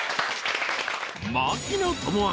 ［槙野智章。